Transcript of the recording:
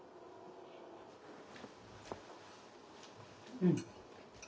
うん。